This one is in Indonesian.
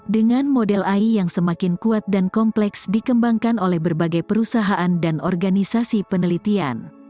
dengan model ai yang semakin kuat dan kompleks dikembangkan oleh berbagai perusahaan dan organisasi penelitian